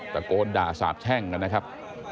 สักโกรธด่าทราบแช่งฮะนะครับ